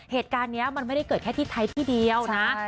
เหตุการณ์นี้มันไม่ได้เกิดแค่ที่ไทยที่เดียวนะ